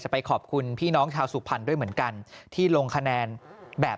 ไปขอบคุณพี่น้องชาวสุพรรณด้วยเหมือนกันที่ลงคะแนนแบบ